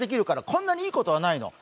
こんなにいいことはないの！